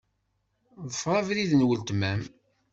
Ḍfeṛ abrid n weltma-m.